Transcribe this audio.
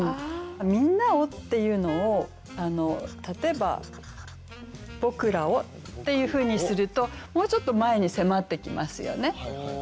「みんなを」っていうのを例えば「ぼくらを」っていうふうにするともうちょっと前に迫ってきますよね。